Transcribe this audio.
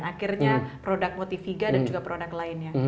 akhirnya produk motiviga dan juga produk lainnya